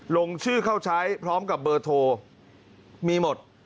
ลงชื่อเข้าใช้พร้อมกับเบอร์โทรมีหมด